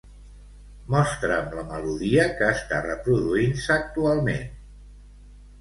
Mostra'm la melodia que està reproduint-se actualment.